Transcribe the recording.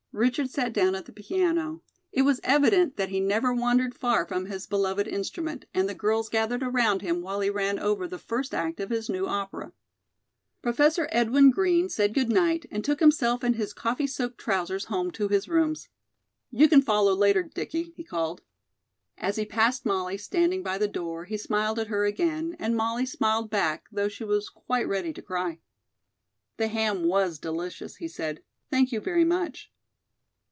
Richard sat down at the piano. It was evident that he never wandered far from his beloved instrument, and the girls gathered around him while he ran over the first act of his new opera. Professor Edwin Green said good night and took himself and his coffee soaked trousers home to his rooms. "You can follow later, Dickie," he called. As he passed Molly, standing by the door, he smiled at her again, and Molly smiled back, though she was quite ready to cry. "The ham was delicious," he said. "Thank you very much."